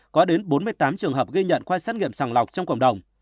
có đến bốn mươi tám trường hợp ghi nhận qua xét nghiệm sàng lọc trong cộng đồng